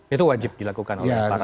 itu wajib dilakukan oleh para jemaah